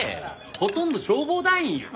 ほとんど消防団員やん。